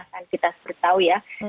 dan kita sudah tahu ya